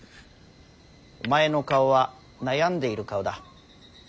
お前の顔は悩んでいる顔だ。